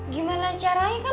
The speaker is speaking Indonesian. gimana caranya kan